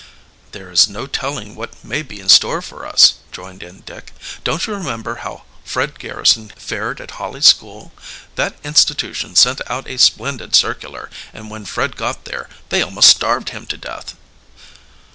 "There is no telling what may be in store for us," joined in Dick. "Don't you remember how Fred Garrison fared at Holly School? That institution sent out a splendid circular, and when Fred got there they almost starved him to death."